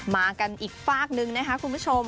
มากันอีกฝากนึงนะคะคุณผู้ชม